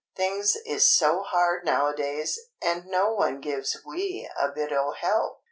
"Things is so hard nowadays, and no one gives we a bit o' help.